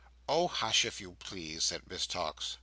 "Oh, hush if you please!" said Miss Tox.